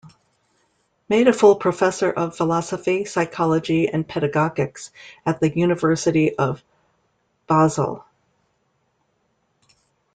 Made a full professor of philosophy, psychology and pedagogics at the University of Basel.